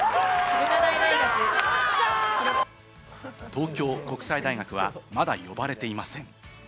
東京国際大学はまだ呼ばれていません。